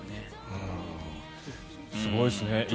すごいですね。